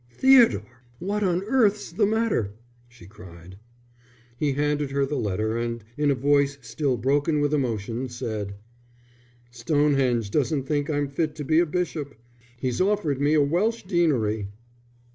"Theodore, what on earth's the matter?" she cried. He handed her the letter and, in a voice still broken with emotion, said: "Stonehenge doesn't think I'm fit to be a bishop. He's offered me a Welsh deanery."